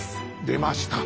出ました！